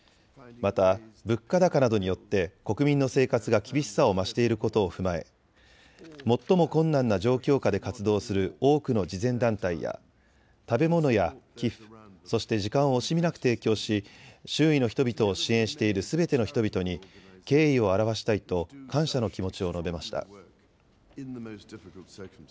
また物価高などによって国民の生活が厳しさを増していることを踏まえ最も困難な状況下で活動する多くの慈善団体や食べ物や寄付、そして時間を惜しみなく提供し周囲の人々を支援しているすべての人々に敬意を表したいと感謝の気持ちを述べました。